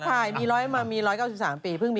ถ่ายมี๑๙๓ปี